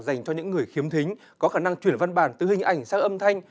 dành cho những người khiếm thính có khả năng chuyển văn bản từ hình ảnh sang âm thanh